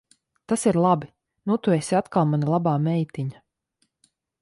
Tas ir labi. Nu tu esi atkal mana labā meitiņa.